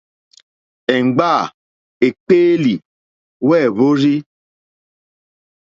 Èmgbâ èkpéélì wêhwórzí.